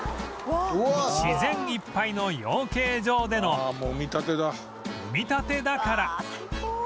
自然いっぱいの養鶏場での産みたてだから